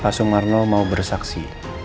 pasung arnold mau bersaksi